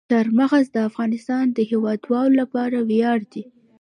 چار مغز د افغانستان د هیوادوالو لپاره ویاړ دی.